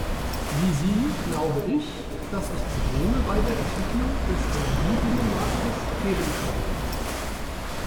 Wie Sie glaube ich, dass es Probleme bei der Entwicklung des Energiebinnenmarktes geben kann.